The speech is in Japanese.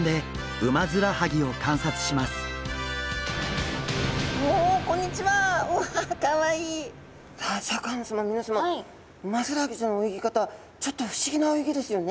ウマヅラハギちゃんの泳ぎ方ちょっと不思議な泳ぎですよね。